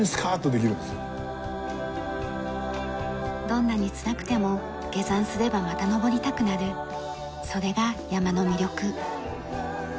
どんなにつらくても下山すればまた登りたくなるそれが山の魅力。